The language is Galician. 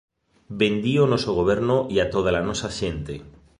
Bendí o noso goberno e a toda a nosa xente!